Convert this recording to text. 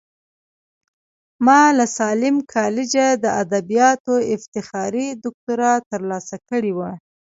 ما له ساليم کالجه د ادبياتو افتخاري دوکتورا ترلاسه کړې وه.